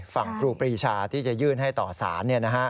ครูปรีชาที่จะยื่นให้ต่อสาร